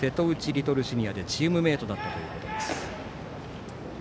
リトルシニアでチームメートだったということです。